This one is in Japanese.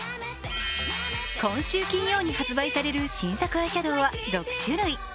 今週金曜に発売される新作アイシャドウは６種類。